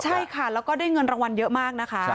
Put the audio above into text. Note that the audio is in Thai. ใช่ค่ะแล้วก็ได้เงินรางวัลเยอะมากนะคะ